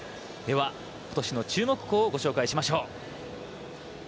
ことしの注目校をご紹介しましょう。